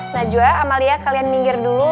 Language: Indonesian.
najwa amalia kalian minggir dulu